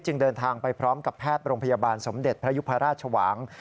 เดินทางไปพร้อมกับแพทย์โรงพยาบาลสมเด็จพระยุพราชชวาง